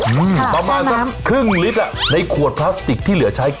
อืมประมาณสักครึ่งลิตรอ่ะในขวดพลาสติกที่เหลือใช้